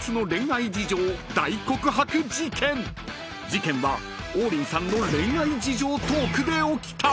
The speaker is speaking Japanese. ［事件は王林さんの恋愛事情トークで起きた］